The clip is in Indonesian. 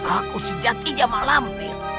aku sejatinya malampir